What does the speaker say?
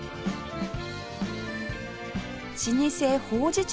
老舗ほうじ茶